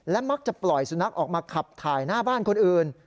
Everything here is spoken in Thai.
มักจะปล่อยสุนัขออกมาขับถ่ายหน้าบ้านคนอื่น